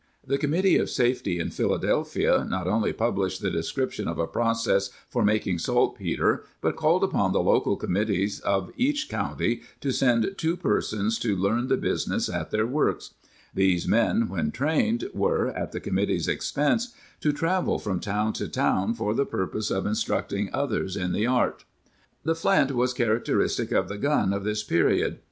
The committee of safety in Philadelphia not only published the description of a process for making saltpetre, but called upon the local com mittee of each county to send two persons to learn the business at their works; these men when trained were, at the committee's expense, to travel from town to town for the purpose of instructing others in the art.^ The flint was characteristic of the gun of this period.